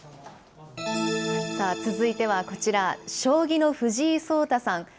続いてはこちら、将棋の藤井聡太さん。